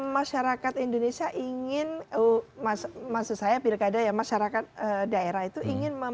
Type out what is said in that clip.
masyarakat indonesia ingin maksud saya bila keadaan masyarakat daerah itu ingin apa ya